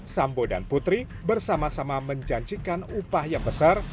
sambo dan putri bersama sama menjanjikan upah yang besar